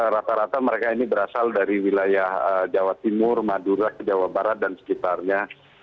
rata rata mereka ini berasal dari wilayah jawa timur madura jawa barat dan sekitarnya